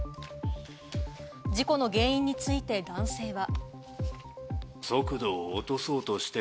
事故の原因について男性は。